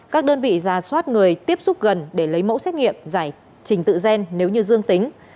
các đơn vị ra soát người tiếp xúc gần để lấy mẫu xét nghiệm giải trình tự gen nếu như dương tính